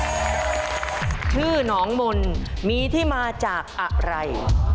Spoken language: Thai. ชื่อหนองมนต์มีที่มาจากอะไร